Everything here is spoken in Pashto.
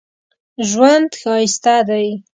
ژوند ښایسته دی